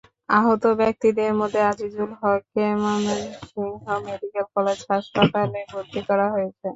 আহত ব্যক্তিদের মধ্যে আজিজুল হককে ময়মনসিংহ মেডিকেল কলেজ হাসপাতালে ভর্তি করা হয়েছে।